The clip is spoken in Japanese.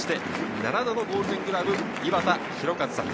７度のゴールデングラブ、井端弘和さん。